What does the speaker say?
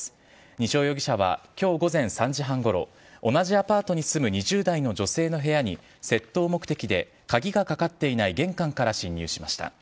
西尾容疑者はきょう午前３時半ごろ、同じアパートに住む２０代の女性の部屋に窃盗目的で、鍵がかかっていない玄関から侵入しました。